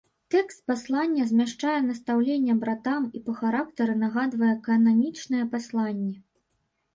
Тэкст паслання змяшчае настаўленне братам і па характары нагадвае кананічныя пасланні.